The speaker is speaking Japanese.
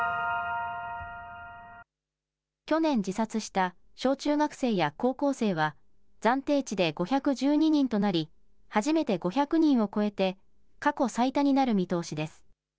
去年自殺した小中学生や高校生は、暫定値で５１２人となり、初めて５００人を超えて、過去最多になる見通しです。